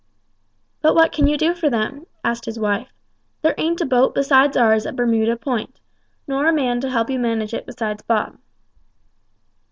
"But what can you do for them?" asked his wife; "there ain't a boat besides ours at Bermuda Point, nor a man to help you manage it besides Bob."